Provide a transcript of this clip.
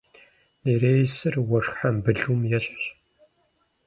Нереисыр уэшх хьэмбылум ещхьщ.